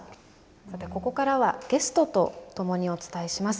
さてここからはゲストとともにお伝えします。